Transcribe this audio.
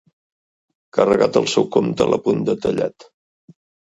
Carregat al seu compte l'apunt detallat